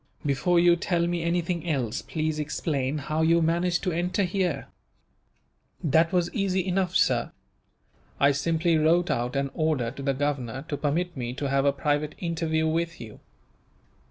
"Before you tell me anything else, please explain how you managed to enter here." "That was easy enough, sir. I simply wrote out an order, to the governor, to permit me to have a private interview with you.